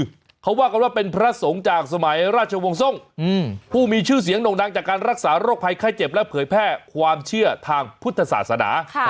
เขาว่ากันว่าเป็นพระสงฆ์จากสมัยราชวงศ์ทรงผู้มีชื่อเสียงโด่งดังจากการรักษาโรคภัยไข้เจ็บและเผยแพร่ความเชื่อทางพุทธศาสนา